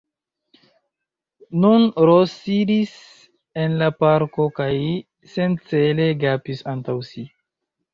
Nun Ros sidis en la parko kaj sencele gapis antaŭ si.